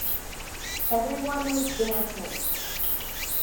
Everyone was dancing.